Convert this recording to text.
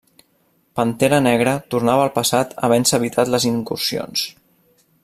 Pantera Negra tornava al passat havent-se evitat les incursions.